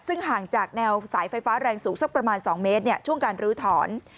ซึ่งห่างจากแนวสายไฟฟ้าแรงสูงสักประมาณ๒เมตรช่วงการลื้อถอน